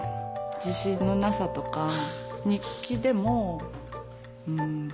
自信のなさとか日記でも。